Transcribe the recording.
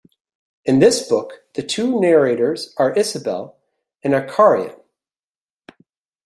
In this book, the two narrators are Isabel and Arkarian.